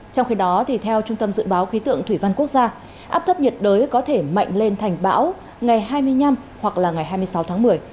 trong khi đó theo trung tâm dự báo khí tượng thủy văn quốc gia áp thấp nhiệt đới có thể mạnh lên thành bão ngày hai mươi năm hoặc là ngày hai mươi sáu tháng một mươi